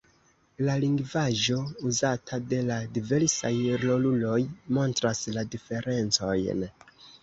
La lingvaĵo uzata de la diversaj roluloj montras la diferencojn.